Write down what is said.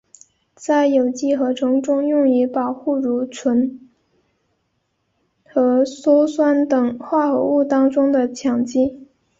在有机合成中用于保护如醇和羧酸等化合物当中的羟基。